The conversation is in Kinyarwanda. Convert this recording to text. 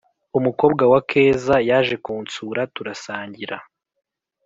umukobwa wa keza yaje kunsura turasangira